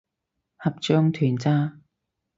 合唱團咋